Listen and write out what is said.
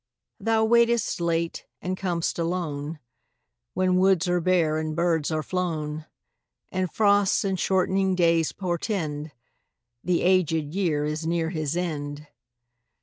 Thou waitest late and com'st alone, When woods are bare and birds are flown, And frosts and shortening days portend The aged year is near his end.